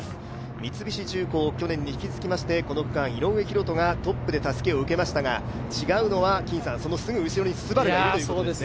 三菱重工、去年に引き続きまして井上大仁がトップでたすきを受けましたが違うのはそのすぐ後ろにＳＵＢＡＲＵがいるということですね。